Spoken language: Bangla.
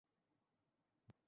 একদম হৃদয় বরাবর!